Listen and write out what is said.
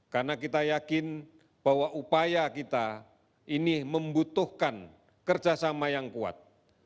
karena kita yakin bahwa upaya kita ini membutuhkan kerjasama yang kuat